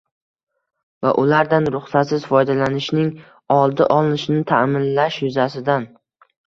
va ulardan ruxsatsiz foydalanishning oldi olinishini ta’minlash yuzasidan